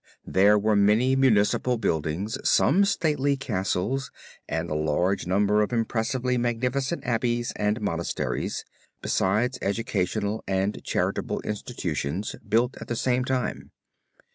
There were many municipal buildings, some stately castles, and a large number of impressively magnificent Abbeys and Monasteries, besides educational and charitable institutions built at this same time.